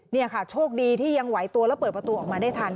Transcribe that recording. นี่ค่ะโชคดีที่ยังไหวตัวแล้วเปิดประตูออกมาได้ทัน